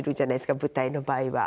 舞台の場合は。